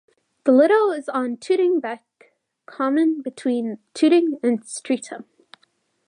The Lido is on Tooting Bec Common between Tooting and Streatham.